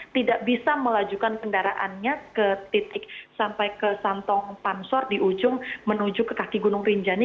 tidak bisa melajukan kendaraannya ke titik sampai ke santong pansor di ujung menuju ke kaki gunung rinjani